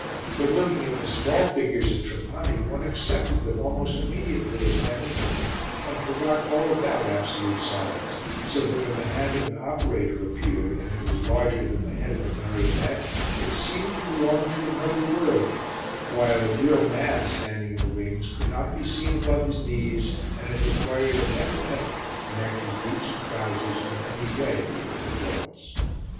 But looking at the small figures at Trapani one accepted them almost immediately as men and women, and forgot all about absolute size, so that when the hand of an operator appeared and it was larger than the head of a marionette, it seemed to belong to another world, while a real man standing in the wings could not be seen above his knees, and it required a mental effort to connect his boots and trousers in any way with the performance.